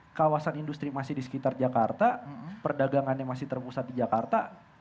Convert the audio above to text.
karena kawasan industri masih di sekitar jakarta perdagangannya masih terpusat di jakarta